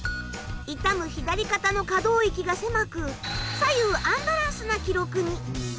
痛む左肩の可動域が狭く左右アンバランスな記録に。